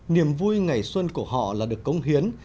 niềm vui ngày xuân của họ là được công hiến